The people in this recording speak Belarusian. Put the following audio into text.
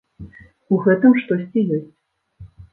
У гэтым штосьці ёсць.